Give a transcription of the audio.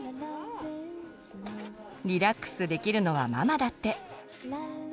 リラックスできるのはママだって。